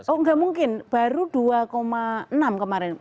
oh nggak mungkin baru dua enam kemarin